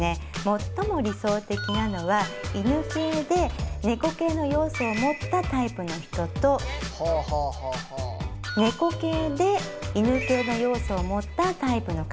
最も理想的なのは犬系で猫系の要素を持ったタイプの人と猫系で犬系の要素を持ったタイプの方が相性がいいです。